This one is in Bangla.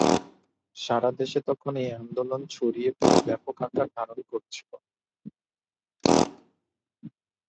সারাদেশে তখন এ আন্দোলন ছড়িয়ে পড়ে ব্যাপক আকার ধারণ করেছিল।